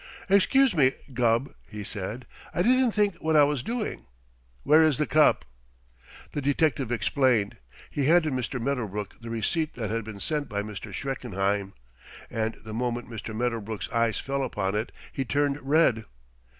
"Excuse me, Gubb," he said; "I didn't think what I was doing. Where is the cup?" The detective explained. He handed Mr. Medderbrook the receipt that had been sent by Mr. Schreckenheim, and the moment Mr. Medderbrook's eyes fell upon it he turned red.